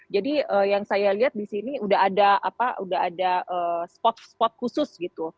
jadi yang saya lihat di sini sudah ada spot spot khusus gitu